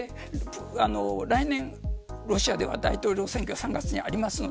来年、ロシアでは大統領選挙が３月にありますね。